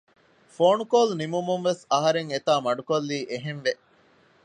ފޯނުކޯލު ނިމުމުން ވެސް އަހަރެން އެތާ މަޑުކޮއްލީ އެހެނެްވެ